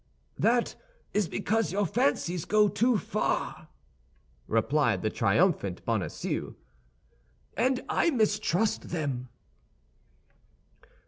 "That is because your fancies go too far," replied the triumphant Bonacieux, "and I mistrust them."